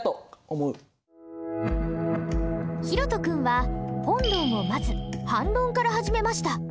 ひろと君は本論をまず「反論」から始めました。